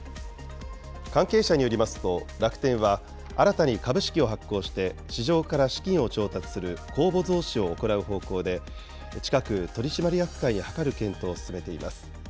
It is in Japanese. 関係者によりますと、楽天は新たに株式を発行して、市場から資金を調達する公募増資を行う方向で、近く、取締役会に諮る検討を進めています。